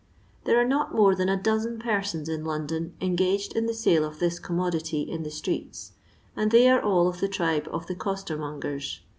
There are not more than a dozen persons in London engaged in the sale of this commodity in the streets, and they are all of the tribe of the costermongers.